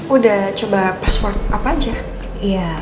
udah coba password apa aja